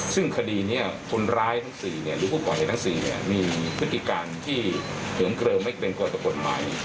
ซึ่งคดีนี้คนร้ายทั้ง๔หรือผู้ก่อเหตุทั้ง๔มีพฤติการที่เหิมเกลิมไม่เป็นกฎกฎหมาย